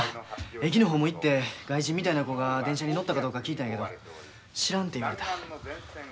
駅の方も行って外人みたいな子が電車に乗ったかどうか聞いたんやけど知らんて言われた。